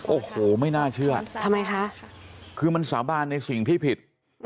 โอ้โหไม่น่าเชื่อทำไมคะคือมันสาบานในสิ่งที่ผิด